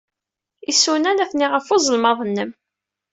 Isunan atni ɣef uzelmaḍ-nnem.